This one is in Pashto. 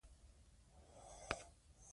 زده کړه د انسان د شعور کچه لوړوي.